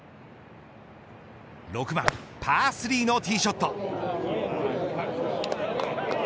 ６番パー３のティーショット。